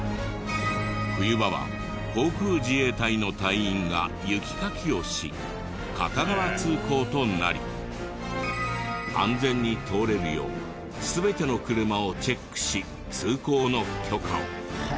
冬場は航空自衛隊の隊員が雪かきをし片側通行となり安全に通れるよう全ての車をチェックし通行の許可を。